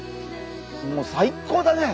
もう最高だね！